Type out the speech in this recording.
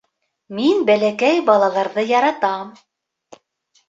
Мин бәләкәй балаларҙы яратам